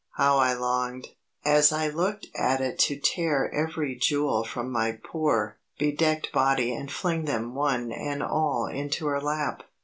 How I longed, as I looked at it to tear every jewel from my poor, bedecked body and fling them one and all into her lap.